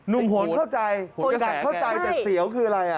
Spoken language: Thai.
หนุ่มหนเข้าใจเข้าใจแต่เสียวคืออะไร